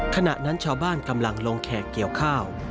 ขณะนั้นชาวบ้านกำลังลงแขกเกี่ยวข้าว